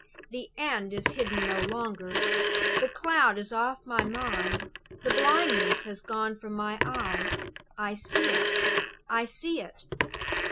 The end is hidden no longer. The cloud is off my mind, the blindness has gone from my eyes. I see it! I see it!